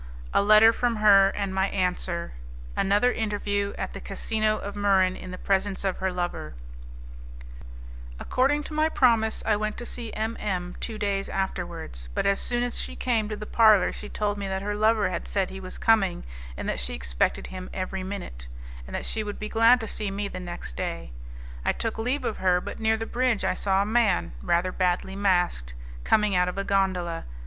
A Letter from Her, and My Answer Another Interview At the Casino of Muran In the Presence of Her Lover According to my promise, I went to see M M two days afterwards, but as soon as she came to the parlour she told me that her lover had said he was coming, and that she expected him every minute, and that she would be glad to see me the next day. I took leave of her, but near the bridge I saw a man, rather badly masked, coming out of a gondola.